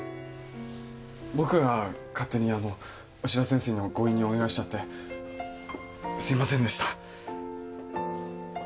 僕が勝手にあの牛田先生に強引にお願いしてすいませんでした